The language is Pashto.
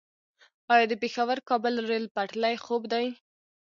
آیا د پیښور - کابل ریل پټلۍ خوب دی؟